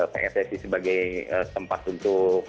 pssi sebagai tempat untuk